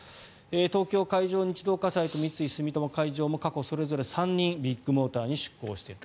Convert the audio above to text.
東京海上日動火災と三井住友海上も過去にそれぞれ３人ビッグモーターに出向している。